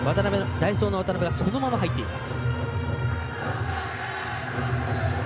代走の渡邉がそのまま入っています。